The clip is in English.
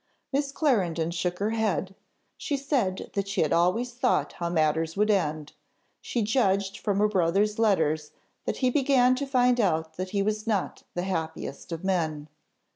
Miss Clarendon shook her head; she said that she had always thought how matters would end; she judged from her brother's letters that he began to find out that he was not the happiest of men.